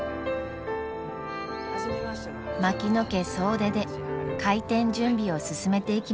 槙野家総出で開店準備を進めていきました。